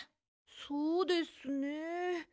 そうですね。